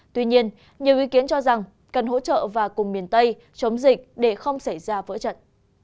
tuy nhiên nhiều ý kiến cho rằng cần hỗ trợ và cùng miền tây chống dịch để không xảy ra vỡ trận